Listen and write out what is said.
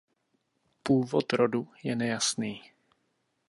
Původ rodu je nejasný.